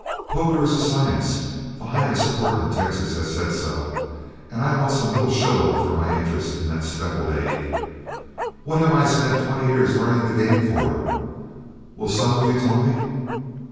Poker is a science; the highest court in Texas has said so, and I want some little show for my interest in that speckled egg. What have I spent twenty years learning the game for, will some of you tell me?